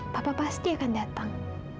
papa pasti akan datang